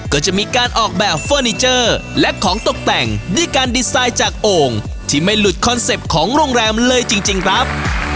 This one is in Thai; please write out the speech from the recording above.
ก็จะมีการออกแบบเฟอร์นิเจอร์และของตกแต่งด้วยการดีไซน์จากโอ่งที่ไม่หลุดคอนเซ็ปต์ของโรงแรมเลยจริงครับ